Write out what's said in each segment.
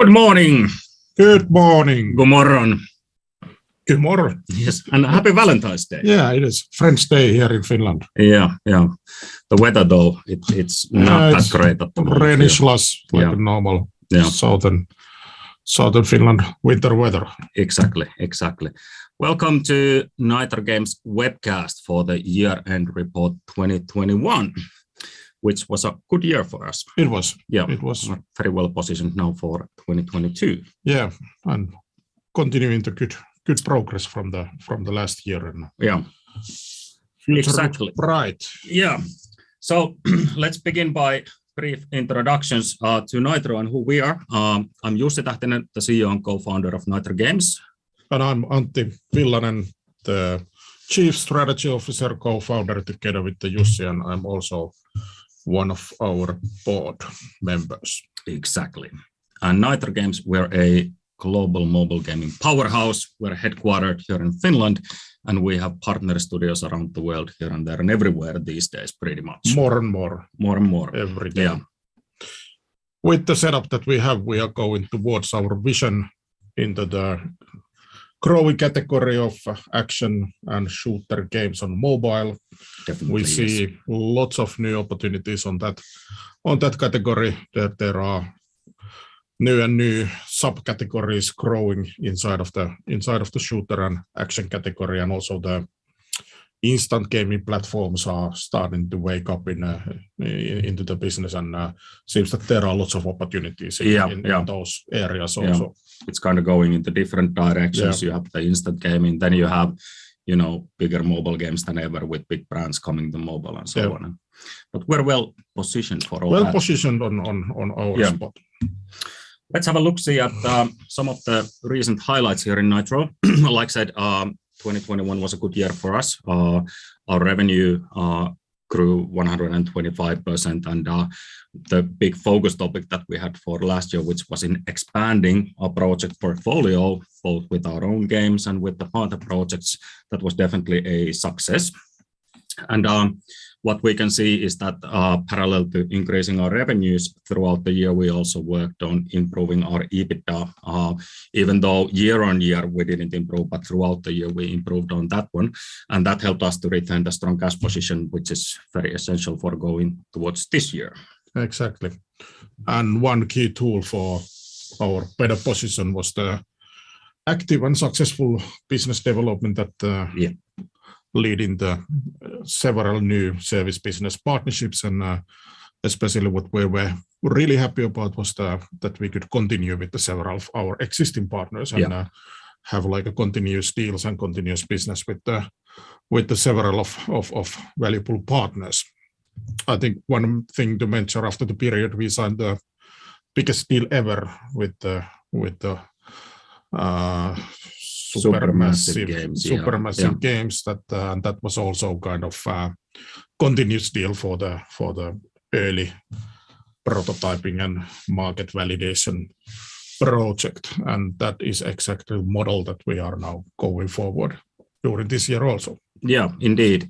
Good morning. Good morning. Good morning. Good morning. Yes, and Happy Valentine's Day. Yeah, it is. Friend's Day here in Finland. Yeah, yeah. The weather though, it's not that great at the moment. Yeah, it's rainy slush. Yeah like normal Yeah Southern Finland winter weather. Exactly. Welcome to Nitro Games webcast for the year-end report 2021, which was a good year for us. It was. Yeah. It was. We're very well-positioned now for 2022. Yeah, continuing the good progress from the last year. Yeah... future- Exactly Looks bright. Let's begin by brief introductions to Nitro and who we are. I'm Jussi Tähtinen, the CEO and co-founder of Nitro Games. I'm Antti Villanen, the Chief Strategy Officer, Co-founder together with the Jussi, and I'm also one of our board members. Exactly. Nitro Games, we're a global mobile gaming powerhouse. We're headquartered here in Finland, and we have partner studios around the world here and there and everywhere these days pretty much. More and more. More and more. Every day. Yeah. With the setup that we have, we are going towards our vision into the growing category of action and shooter games on mobile. Definitely. We see lots of new opportunities on that category that there are new sub-categories growing inside of the shooter and action category, and also the instant gaming platforms are starting to wake up into the business, and seems that there are lots of opportunities. Yeah, yeah. in those areas also. Yeah. It's kinda going into different directions. Yeah. You have the instant gaming, then you have, you know, bigger mobile games than ever with big brands coming to mobile and so on. Yeah. We're well-positioned for all that. Well-positioned on our spot. Let's have a looksee at some of the recent highlights here in Nitro. Like I said, 2021 was a good year for us. Our revenue grew 125%, and the big focus topic that we had for last year, which was in expanding our project portfolio both with our own games and with the partner projects, that was definitely a success. What we can see is that parallel to increasing our revenues throughout the year, we also worked on improving our EBITDA. Even though year-on-year we didn't improve, but throughout the year, we improved on that one, and that helped us to retain the strong cash position, which is very essential for going towards this year. Exactly. One key tool for our better position was the active and successful business development that lead in the several new service business partnerships. Especially what we were really happy about was that we could continue with several of our existing partners. Have like a continuous deals and continuous business with the valuable partners. I think one thing to mention after the period, we signed the biggest deal ever with the Supermassive. Supermassive Games. Yeah, yeah. Supermassive Games. That was also kind of continuous deal for the early prototyping and market validation project, and that is exactly the model that we are now going forward during this year also. Yeah, indeed.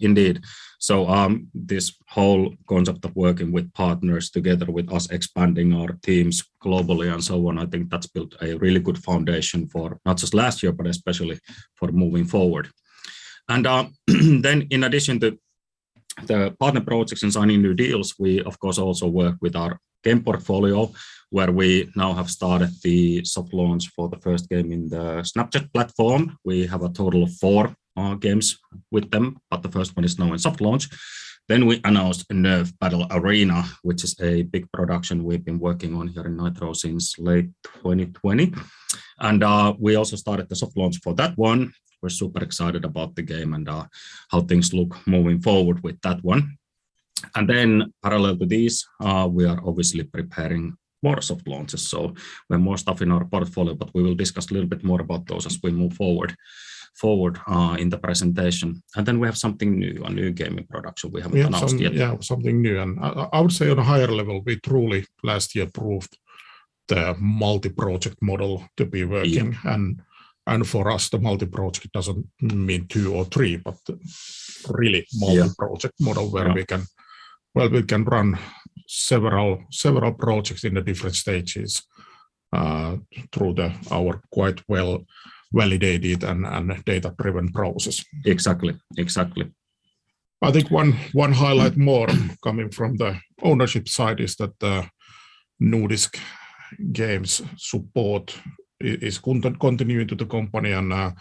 This whole concept of working with partners together with us expanding our teams globally and so on, I think that's built a really good foundation for not just last year, but especially for moving forward. In addition to the partner projects and signing new deals, we of course also work with our game portfolio, where we now have started the soft launch for the first game in the Snapchat platform. We have a total of four games with them, but the first one is now in soft launch. We announced NERF: Battle Arena, which is a big production we've been working on here in Nitro since late 2020. We also started the soft launch for that one. We're super excited about the game and how things look moving forward with that one. Parallel to these, we are obviously preparing more soft launches, so we have more stuff in our portfolio, but we will discuss a little bit more about those as we move forward in the presentation. We have something new, a new gaming production we haven't announced yet. Yeah, something new. I would say on a higher level, we truly last year proved the multi-project model to be working. Indeed. For us, the multi-project doesn't mean two or three, but really. Multi-project model where we can run several projects in the different stages through our quite well-validated and data-driven process. Exactly. I think one highlight more coming from the ownership side is that the Nordisk Games support is continuing to the company, and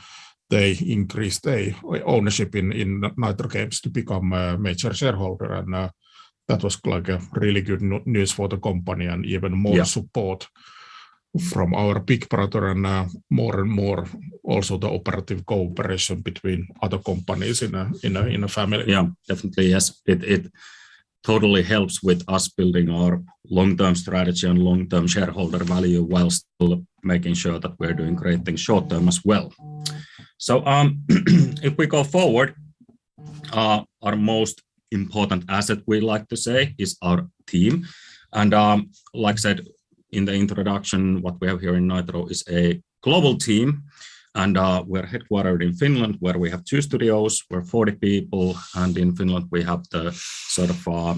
they increased their ownership in Nitro Games to become a major shareholder, and that was like a really good news for the company and even more support from our big brother, and more and more also the operational cooperation between other companies in a family. Yeah, definitely. Yes. It totally helps with us building our long-term strategy and long-term shareholder value while still making sure that we're doing great things short-term as well. If we go forward, our most important asset we like to say is our team. Like I said in the introduction, what we have here in Nitro is a global team, and we're headquartered in Finland where we have two studios. We're 40 people, and in Finland we have the sort of a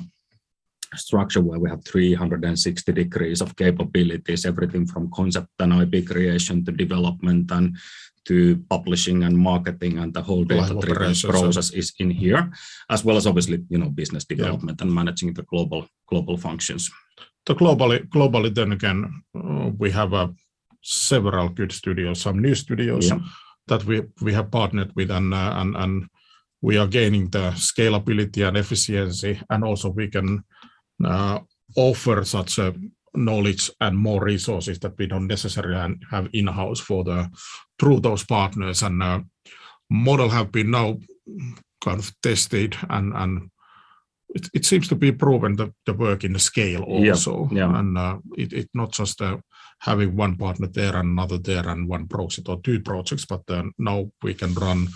structure where we have 360 degrees of capabilities, everything from concept and IP creation to development and to publishing and marketing, and the whole data preparation process is in here, as well as obviously, you know, business development and managing the global functions. Globally, we have several good studios, some new studios that we have partnered with and we are gaining the scalability and efficiency, and also we can offer such a knowledge and more resources that we don't necessarily have in-house through those partners. Model has been now kind of tested, and it seems to be proven to work at scale also. It's not just having one partner there and another there and one project or two projects, but now we can run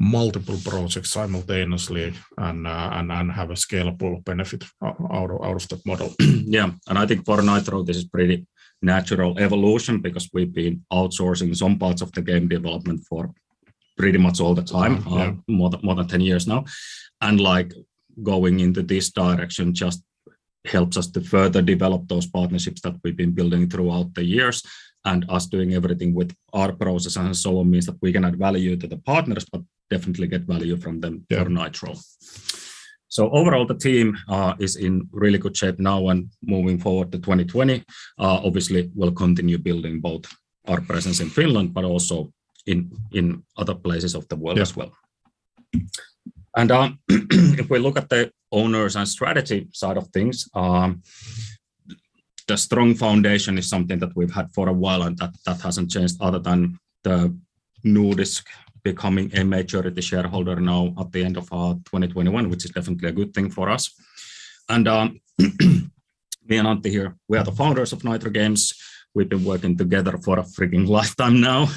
multiple projects simultaneously and have a scalable benefit out of that model. Yeah. I think for Nitro this is pretty natural evolution because we've been outsourcing some parts of the game development for pretty much all the time more than 10 years now. Like, going into this direction just helps us to further develop those partnerships that we've been building throughout the years, and us doing everything with our process and so on means that we can add value to the partners, but definitely get value from them, per Nitro. Overall the team is in really good shape now and moving forward to 2020. Obviously we'll continue building both our presence in Finland, but also in other places of the world as well. If we look at the owners and strategy side of things, the strong foundation is something that we've had for a while, and that hasn't changed other than Nordisk becoming a majority shareholder now at the end of 2021, which is definitely a good thing for us. Me and Antti here, we are the founders of Nitro Games. We've been working together for a freaking lifetime now.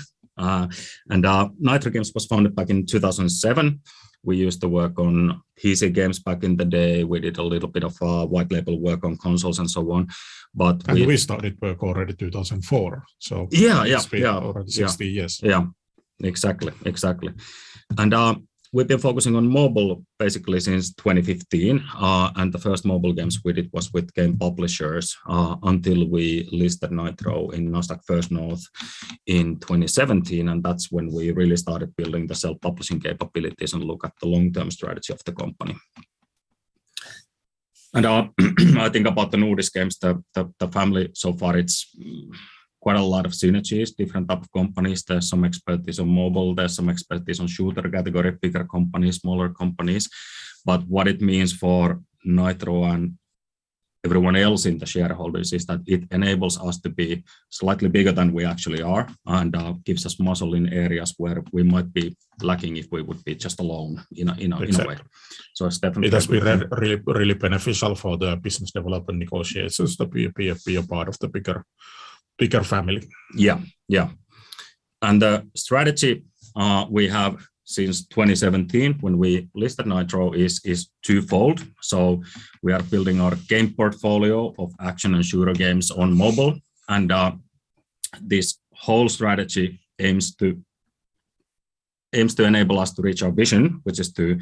Nitro Games was founded back in 2007. We used to work on PC games back in the day. We did a little bit of white label work on consoles and so on. We started work already 2004. Yeah, yeah it's been over 16 years. Yeah. Exactly. We've been focusing on mobile basically since 2015. The first mobile games we did was with game publishers until we listed Nitro in Nasdaq First North in 2017, and that's when we really started building the self-publishing capabilities and look at the long-term strategy of the company. I think about the Nordisk Games, the family so far, it's quite a lot of synergies, different type of companies. There's some expertise on mobile, there's some expertise on shooter category, bigger companies, smaller companies. But what it means for Nitro and everyone else in the shareholders is that it enables us to be slightly bigger than we actually are and gives us muscle in areas where we might be lacking if we would be just alone in a way. Exactly. It's definitely. It has been really beneficial for the business development negotiations to be a part of the bigger family. Yeah, yeah. The strategy we have since 2017 when we listed Nitro is twofold. We are building our game portfolio of action and shooter games on mobile. This whole strategy aims to enable us to reach our vision, which is to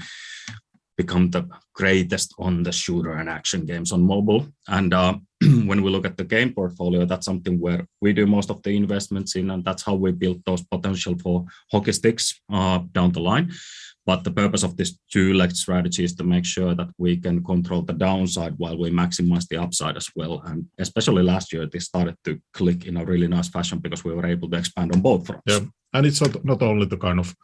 become the greatest on the shooter and action games on mobile. When we look at the game portfolio, that's something where we do most of the investments in, and that's how we build those potential for hockey sticks down the line. The purpose of this two-leg strategy is to make sure that we can control the downside while we maximize the upside as well. Especially last year, this started to click in a really nice fashion because we were able to expand on both fronts. Yeah. It's not only the kind of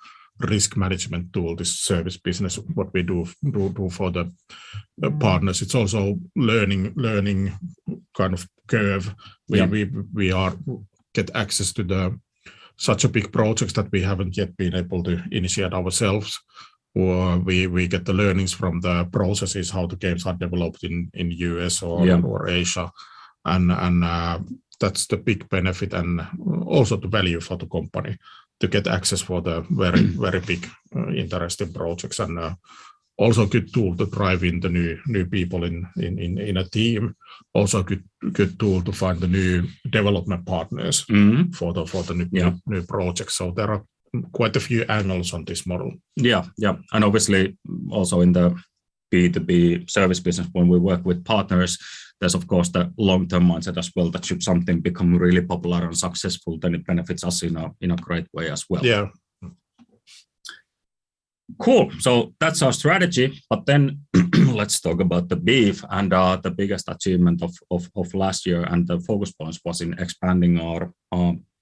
risk management tool, this service business, what we do for the partners, it's also learning kind of curve where we are getting access to such big projects that we haven't yet been able to initiate ourselves, or we get the learnings from the processes, how the games are developed in the U.S. or Asia. That's the big benefit and also the value for the company to get access to the very big interesting projects and also good tool to draw in the new people in a team. Also good tool to find the new development partners for the new projects. There are quite a few angles on this model. Yeah, yeah. Obviously also in the B2B service business, when we work with partners, there's of course the long-term mindset as well that should something become really popular and successful, then it benefits us in a, in a great way as well. Yeah. Cool. That's our strategy. Let's talk about the beef and the biggest achievement of last year and the focus points was in expanding our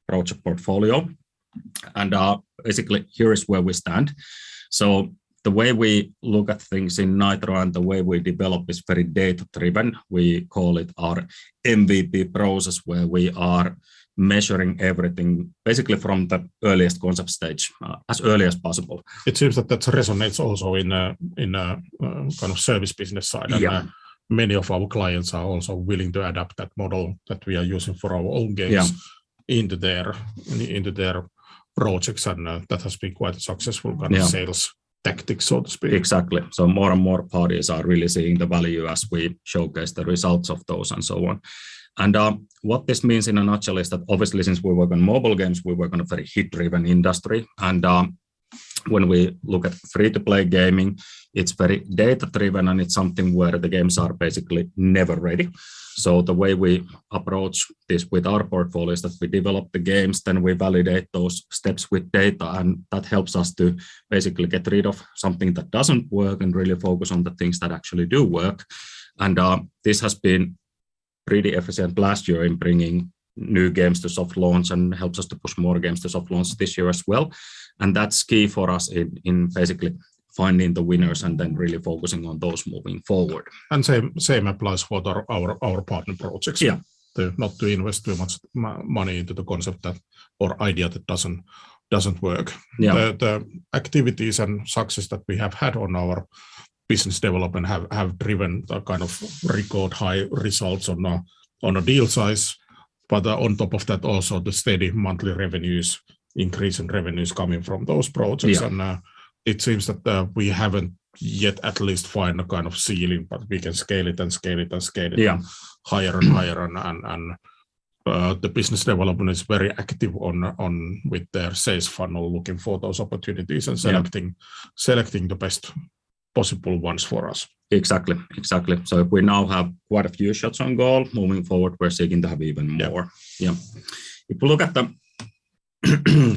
project portfolio. Basically here is where we stand. The way we look at things in Nitro and the way we develop is very data-driven. We call it our MVP process, where we are measuring everything basically from the earliest concept stage as early as possible. It seems that resonates also in kind of service business side. Yeah. Many of our clients are also willing to adapt that model that we are using for our own games into their projects. That has been quite successful kind of sales tactic, so to speak. Exactly. More and more parties are really seeing the value as we showcase the results of those and so on. What this means in a nutshell is that obviously since we work on mobile games, we work on a very hit-driven industry, and when we look at free-to-play gaming, it's very data-driven, and it's something where the games are basically never ready. The way we approach this with our portfolio is that we develop the games, then we validate those steps with data, and that helps us to basically get rid of something that doesn't work and really focus on the things that actually do work. This has been pretty efficient last year in bringing new games to soft launch and helps us to push more games to soft launch this year as well. That's key for us in basically finding the winners and then really focusing on those moving forward. Same applies for our partner projects. Yeah. Not to invest too much money into the concept or idea that doesn't work. The activities and success that we have had on our business development have driven the kind of record high results on a deal size. On top of that, also the steady monthly revenues, increase in revenues coming from those projects. It seems that we haven't yet at least find a kind of ceiling, but we can scale it Higher and higher. The business development is very active on with their sales funnel, looking for those opportunities and selecting the best possible ones for us. Exactly. We now have quite a few shots on goal. Moving forward, we're seeking to have even more. If you look at the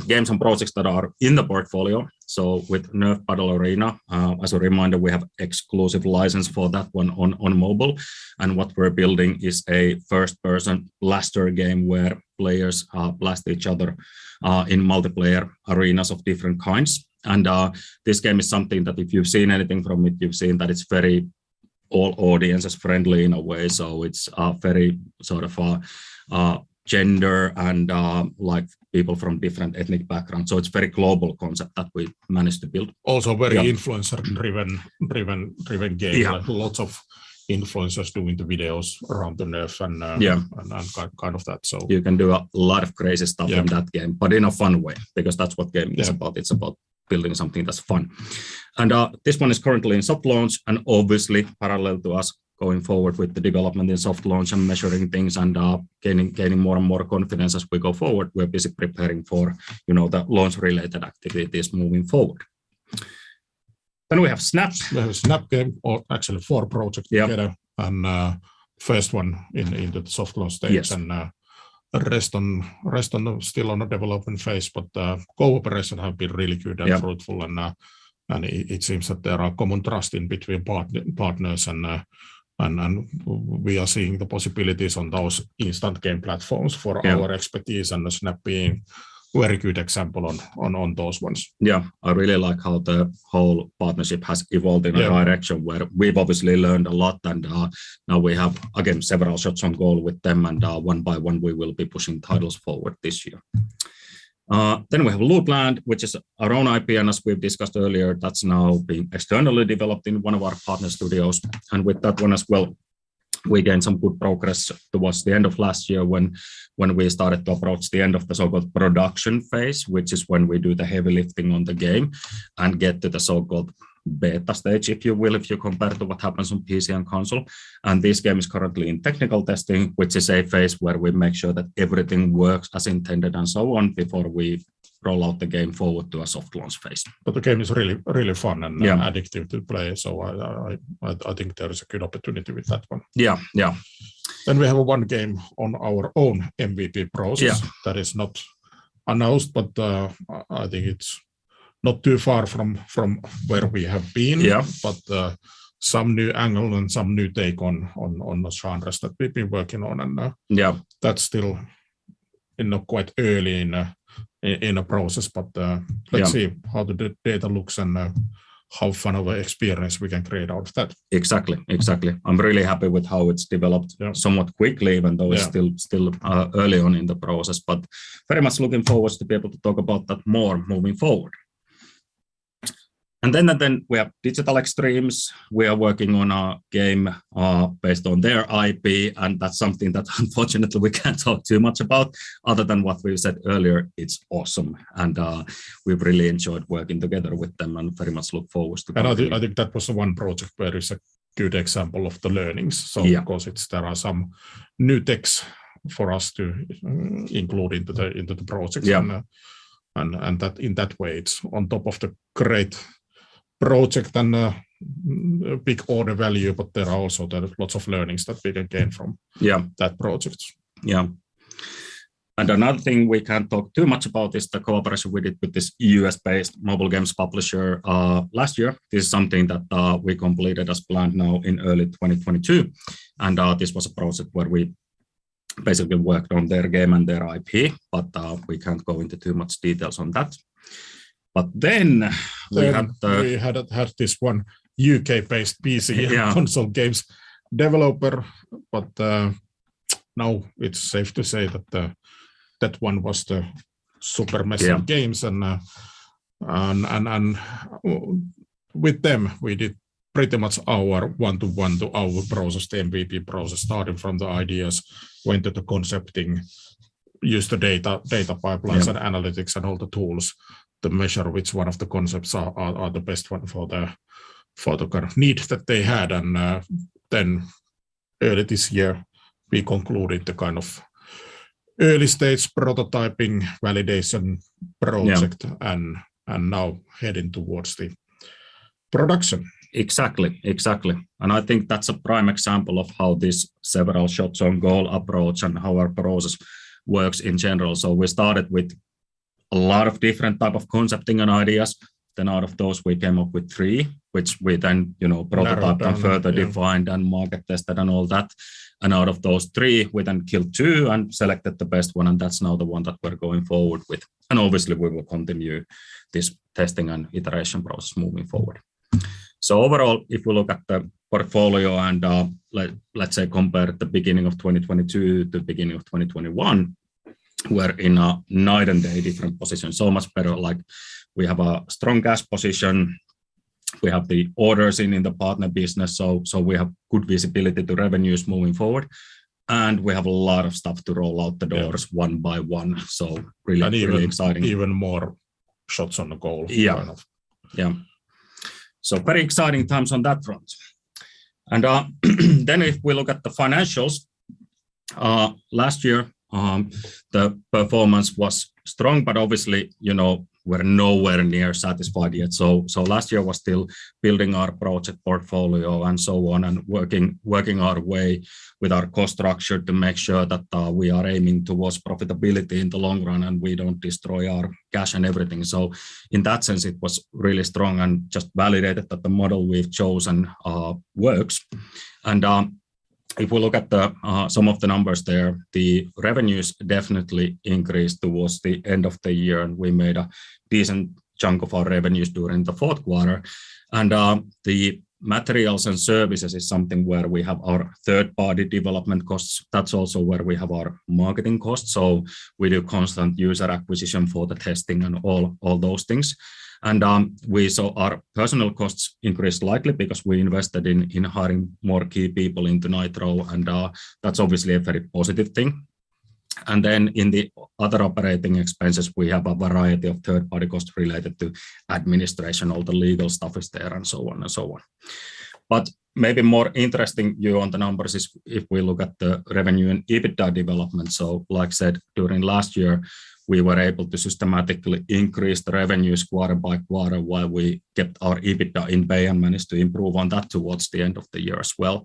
games and projects that are in the portfolio, so with NERF Battle Arena, as a reminder, we have exclusive license for that one on mobile. What we're building is a first-person blaster game where players blast each other in multiplayer arenas of different kinds. This game is something that if you've seen anything from it, you've seen that it's very all audiences friendly in a way, so it's very sort of gender and like people from different ethnic backgrounds. It's very global concept that we managed to build. Also very influencer-driven game. Yeah. Lots of influencers doing the videos around the NERF and kind of that. You can do a lot of crazy stuff in that game, but in a fun way, because that's what gaming is about. It's about building something that's fun. This one is currently in soft launch and obviously parallel to us going forward with the development in soft launch and measuring things and gaining more and more confidence as we go forward. We're busy preparing for, you know, the launch related activities moving forward. We have Snap. We have Snap game or actually four projects together. First one in the soft launch stage. Still on the development phase, but cooperation have been really good and fruitful, and it seems that there are common trust between partners, and we are seeing the possibilities on those instant game platforms for our expertise and Snap being very good example on those ones. Yeah. I really like how the whole partnership has evolved in a direction where we've obviously learned a lot and, now we have again, several shots on goal with them, and, one by one, we will be pushing titles forward this year. We have Lootland, which is our own IP, and as we've discussed earlier, that's now being externally developed in one of our partner studios. With that one as well, we gained some good progress towards the end of last year when we started to approach the end of the so-called production phase, which is when we do the heavy lifting on the game and get to the so-called beta stage, if you will, if you compare to what happens on PC and console. This game is currently in technical testing, which is a phase where we make sure that everything works as intended and so on before we roll out the game forward to a soft launch phase. The game is really, really fun and addictive to play. I think there is a good opportunity with that one. Yeah. Yeah. We have one game on our own MVP process that is not announced, but, I think it's not too far from where we have been, but some new angle and some new take on those genres that we've been working on and that's still in a process. Let's see how the data looks and how fun of a experience we can create out of that. Exactly. I'm really happy with how it's developed somewhat quickly, even though it's still early on in the process, but very much looking forward to be able to talk about that more moving forward. We have Digital Extremes. We are working on a game based on their IP, and that's something that unfortunately we can't talk too much about other than what we've said earlier. It's awesome. We've really enjoyed working together with them and very much look forward to- I think that was the one project where it's a good example of the learnings. So, of course, there are some new techs for us to include into the project. That in that way, it's on top of the great project and big order value, but there are also lots of learnings that we can gain from. That project. Yeah. Another thing we can't talk too much about is the cooperation we did with this U.S.-based mobile games publisher last year. This is something that we completed as planned now in early 2022. This was a project where we basically worked on their game and their IP, but we can't go into too much details on that. Then we have the- We had this one U.K.-based PC Console games developer, now it's safe to say that one was the Supermassive Games and with them, we did pretty much our one-to-one to our process, the MVP process, starting from the ideas, went into concepting, used the data pipelines and analytics and all the tools to measure which one of the concepts are the best one for the kind of needs that they had. Early this year, we concluded the kind of early-stage prototyping validation project, now heading toward the production. Exactly. I think that's a prime example of how this several shots on goal approach and how our process works in general. We started with a lot of different type of concepting and ideas. Out of those, we came up with three, which we then, you know, prototyped. Narrowed down. Yeah. Further defined and market tested and all that. Out of those three, we then killed two and selected the best one, and that's now the one that we're going forward with. Obviously, we will continue this testing and iteration process moving forward. Overall, if we look at the portfolio and, like, let's say compare the beginning of 2022 to the beginning of 2021, we're in a night and day different position. Much better, like we have a strong cash position, we have the orders in the partner business, so we have good visibility to revenues moving forward, and we have a lot of stuff to roll out the doors one by one. Really exciting. Even more shots on the goal kind of. Yeah. Yeah. Very exciting times on that front. If we look at the financials, last year, the performance was strong, but obviously, you know, we're nowhere near satisfied yet. Last year was still building our project portfolio and so on, and working our way with our cost structure to make sure that we are aiming towards profitability in the long run, and we don't destroy our cash and everything. In that sense, it was really strong and just validated that the model we've chosen works. If we look at some of the numbers there, the revenues definitely increased towards the end of the year, and we made a decent chunk of our revenues during the fourth quarter. The materials and services is something where we have our third-party development costs. That's also where we have our marketing costs, so we do constant user acquisition for the testing and all those things. We saw our personnel costs increase slightly because we invested in hiring more key people into Nitro, and that's obviously a very positive thing. In the other operating expenses, we have a variety of third-party costs related to administration. All the legal stuff is there, and so on and so on. Maybe more interesting view on the numbers is if we look at the revenue and EBITDA development. Like I said, during last year, we were able to systematically increase the revenues quarter by quarter while we kept our EBITDA at bay and managed to improve on that towards the end of the year as well.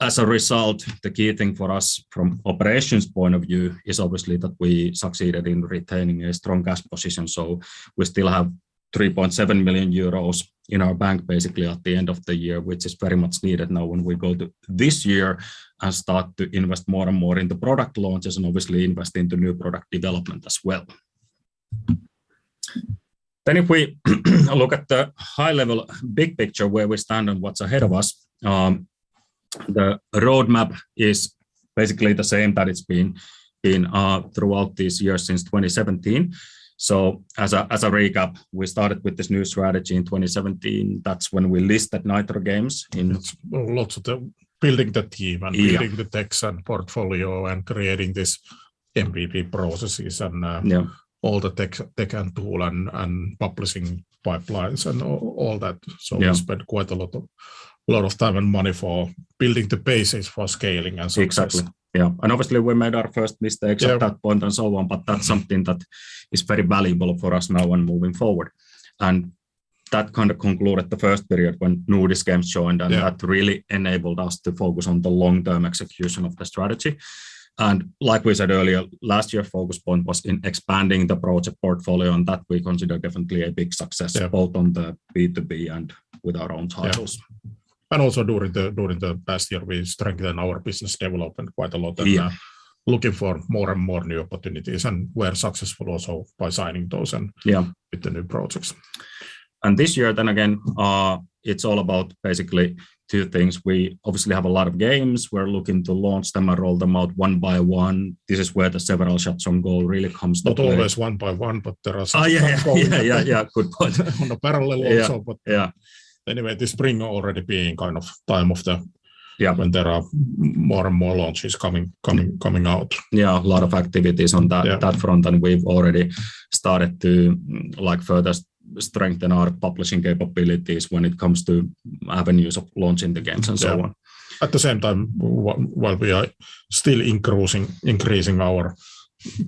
As a result, the key thing for us from operations point of view is obviously that we succeeded in retaining a strong cash position, so we still have 3.7 million euros in our bank basically at the end of the year, which is very much needed now when we go to this year and start to invest more and more in the product launches and obviously invest into new product development as well. If we look at the high level big picture, where we stand and what's ahead of us, the roadmap is basically the same that it's been in, throughout this year since 2017. As a recap, we started with this new strategy in 2017. That's when we listed Nitro Games in- It's lots of the building the team and building the techs and portfolio and creating this MVP processes, all the tech and tool and publishing pipelines and all that. We spent quite a lot of time and money for building the basis for scaling and success. Exactly. Yeah. Obviously, we made our first mistakes at that point and so on, but that's something that is very valuable for us now when moving forward. That kind of concluded the first period when Nordisk Games joined that really enabled us to focus on the long-term execution of the strategy. Like we said earlier, last year focus point was in expanding the project portfolio, and that we consider definitely a big success, both on the B2B and with our own titles. Yeah. Also during the past year, we strengthened our business development quite a lot and looking for more and more new opportunities, and we're successful also by signing those and with the new projects. This year, then again, it's all about basically two things. We obviously have a lot of games. We're looking to launch them and roll them out one by one. This is where the several shots on goal really comes to play. Not always one by one, but there are some. Oh, yeah, yeah. Good point. on the parallel also. Yeah. Anyway, this spring already being kind of time of the... When there are more and more launches coming out. Yeah. A lot of activities on that front, we've already started to, like, further strengthen our publishing capabilities when it comes to avenues of launching the games and so on. Yeah. At the same time, while we are still increasing our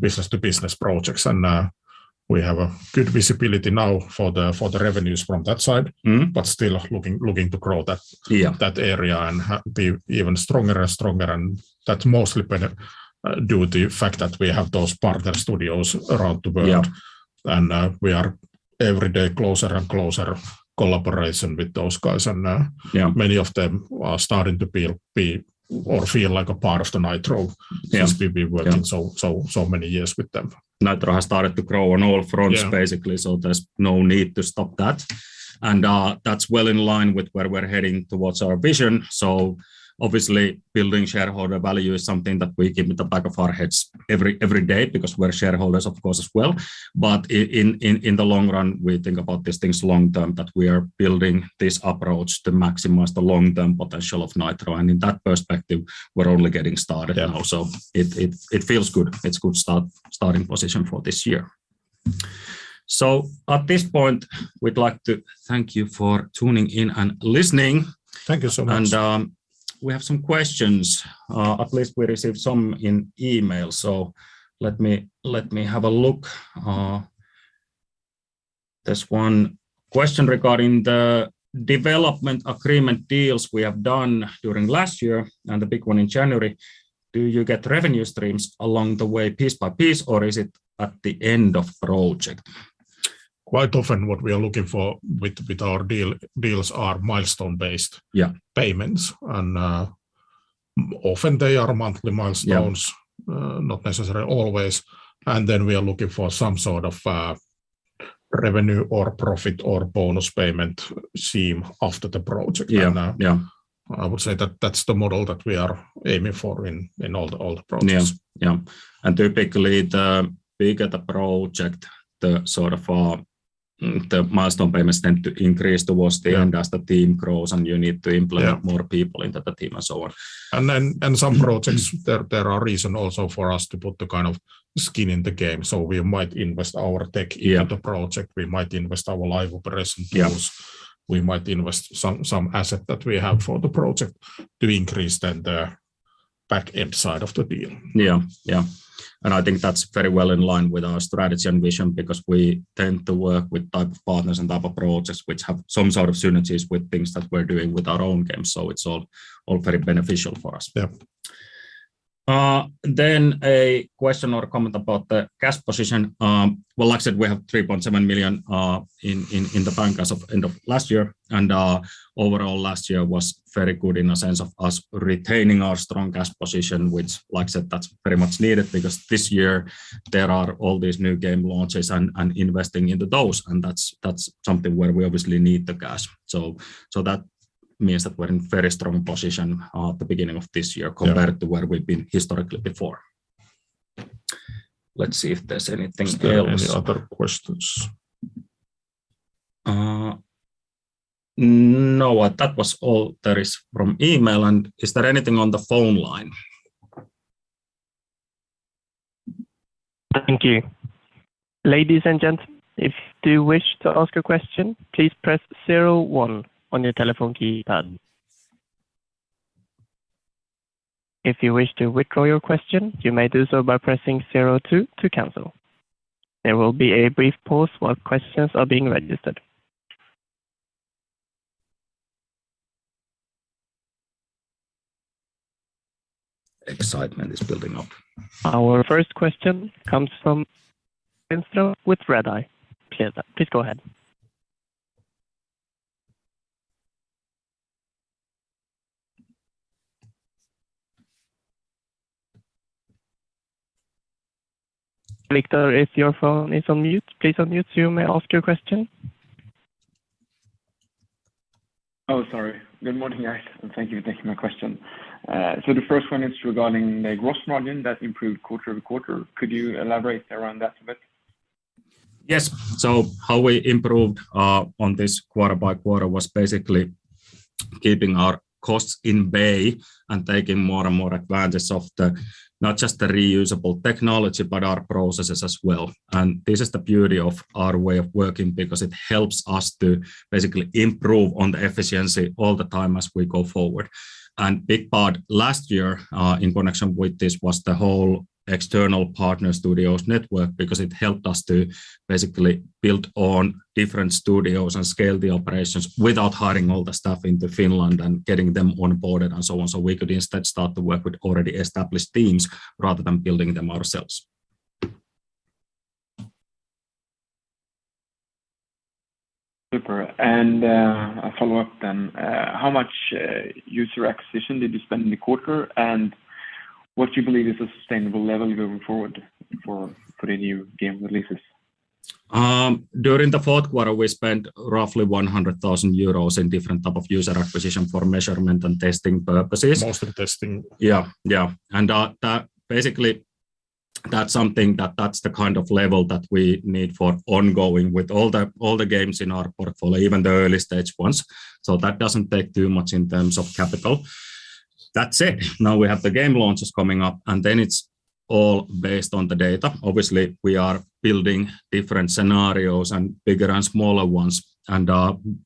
business-to-business projects and we have a good visibility now for the revenues from that side, but still looking to grow that area and have been even stronger and stronger and that's mostly been due to the fact that we have those partner studios around the world. We are every day closer and closer collaboration with those guys. Many of them are starting to be or feel like a part of the Nitro since we've been working so many years with them. Nitro has started to grow on all fronts basically, there's no need to stop that. That's well in line with where we're heading towards our vision. Obviously, building shareholder value is something that we keep in the back of our heads every day because we're shareholders, of course, as well. In the long run, we think about these things long-term, that we are building this approach to maximize the long-term potential of Nitro. In that perspective, we're only getting started now. It feels good. It's good starting position for this year. At this point, we'd like to thank you for tuning in and listening. Thank you so much. We have some questions. At least we received some in email, so let me have a look. There's one question regarding the development agreement deals we have done during last year and the big one in January. Do you get revenue streams along the way piece by piece, or is it at the end of project? Quite often what we are looking for with our deals are milestone-based payments, and often they are monthly milestones. Not necessarily always. We are looking for some sort of revenue or profit or bonus payment scheme after the project. I would say that that's the model that we are aiming for in all the projects. Yeah, yeah. Typically the bigger the project, the sort of, the milestone payments tend to increase towards the end as the team grows, and you need to implement more people into the team and so on. In some projects there are reasons also for us to put the kind of skin in the game, so we might invest our tech into project. We might invest our Live Operations tools. We might invest some asset that we have for the project to increase the back-end side of the deal. Yeah, yeah. I think that's very well in line with our strategy and vision because we tend to work with type of partners and type of projects which have some sort of synergies with things that we're doing with our own games, so it's all very beneficial for us. Yeah. Then a question or comment about the cash position. Well, like I said, we have 3.7 million in the bank as of end of last year. Overall last year was very good in a sense of us retaining our strong cash position, which like I said, that's very much needed because this year there are all these new game launches and investing into those, and that's something where we obviously need the cash. That means that we're in very strong position at the beginning of this year. Yeah Compared to where we've been historically before. Let's see if there's anything else. Is there any other questions? No. That was all there is from email, and is there anything on the phone line? Thank you. Ladies and gentlemen, if do you wish to ask a question, please press zero one on your telephone keypad. If you wish to withdraw your question, you may do so by pressing zero two to cancel. There will be a brief pause while questions are being registered. Excitement is building up. Our first question comes from Viktor Lindström with Redeye. Please go ahead. Viktor, if your phone is on mute, please unmute so you may ask your question. Oh, sorry. Good morning, guys, and thank you for taking my question. The first one is regarding the gross margin that improved quarter-over-quarter. Could you elaborate around that a bit? Yes. How we improved on this quarter by quarter was basically keeping our costs at bay and taking more and more advantage of the not just the reusable technology, but our processes as well. This is the beauty of our way of working because it helps us to basically improve on the efficiency all the time as we go forward. Big part last year in connection with this was the whole external partner studios network because it helped us to basically build on different studios and scale the operations without hiring all the staff into Finland and getting them onboarded and so on. We could instead start to work with already established teams rather than building them ourselves. Super. A follow-up then. How much user acquisition did you spend in the quarter, and what do you believe is a sustainable level going forward for the new game releases? During the fourth quarter, we spent roughly 100,000 euros in different type of user acquisition for measurement and testing purposes. Mostly testing. Yeah, yeah. That basically that's something that's the kind of level that we need for ongoing with all the games in our portfolio, even the early-stage ones. That doesn't take too much in terms of capital. That said, now we have the game launches coming up, and then it's all based on the data. Obviously, we are building different scenarios and bigger and smaller ones,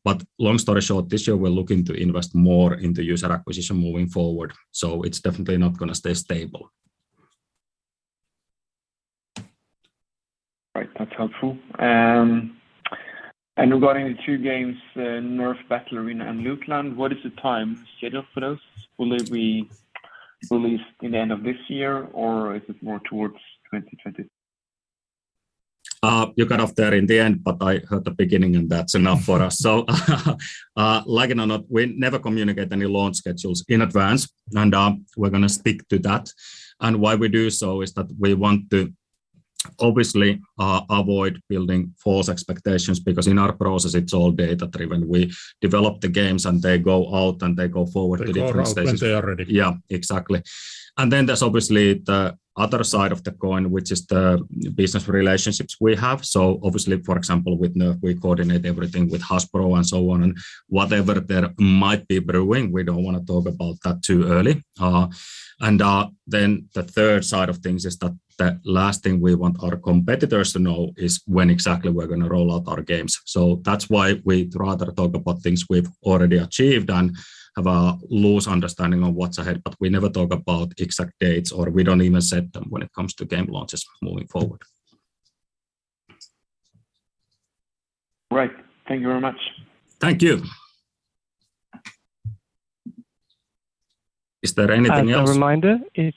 but long story short, this year we're looking to invest more into user acquisition moving forward. It's definitely not gonna stay stable. Right. That's helpful. Regarding the two games, NERF: Battle Arena and Lootland, what is the time schedule for those? Will they be released in the end of this year, or is it more towards 2020- You cut off there in the end, but I heard the beginning, and that's enough for us. Like it or not, we never communicate any launch schedules in advance, and we're gonna stick to that. Why we do so is that we want to obviously avoid building false expectations because in our process it's all data-driven. We develop the games, and they go out, and they go forward to different stages. They go out when they are ready. Yeah, exactly. There's obviously the other side of the coin, which is the business relationships we have. Obviously, for example, with NERF, we coordinate everything with Hasbro and so on, and whatever there might be brewing, we don't wanna talk about that too early. The third side of things is that the last thing we want our competitors to know is when exactly we're gonna roll out our games. That's why we'd rather talk about things we've already achieved and have a loose understanding of what's ahead, but we never talk about exact dates, or we don't even set them when it comes to game launches moving forward. Right. Thank you very much. Thank you. Is there anything else? As a reminder, if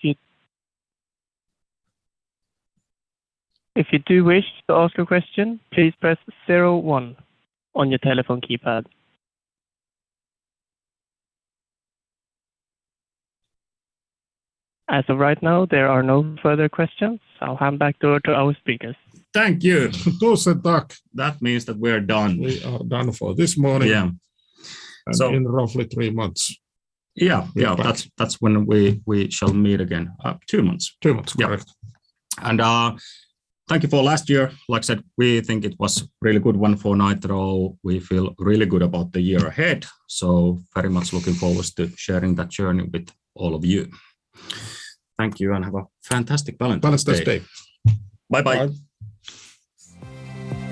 you do wish to ask a question, please press zero one on your telephone keypad. As of right now, there are no further questions. I'll hand back over to our speakers. Thank you. That means that we're done. We are done for this morning. Yeah. In roughly three months. Yeah. That's when we shall meet again, two months. two months. Correct. Yeah. Thank you for last year. Like I said, we think it was really good one for Nitro. We feel really good about the year ahead, so very much looking forward to sharing that journey with all of you. Thank you, and have a fantastic Valentine's Day. Valentine's Day. Bye-bye. Bye.